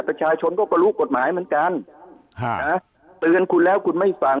ประชาชนก็รู้กฎหมายเหมือนกันเตือนคุณแล้วคุณไม่ฟัง